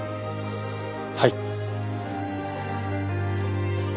はい。